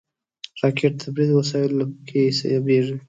راکټ د برید وسایلو کې حسابېږي